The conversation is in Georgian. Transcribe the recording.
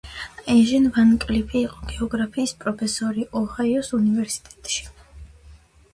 ეჟენ ვან კლიფი იყო გეოგრაფიის პროფესორი ოჰაიოს უნივერსიტეტში.